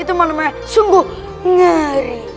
itu menemani sungguh ngeri